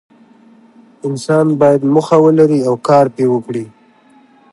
انسان باید موخه ولري او کار پرې وکړي.